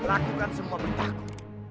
lakukan semua perintahku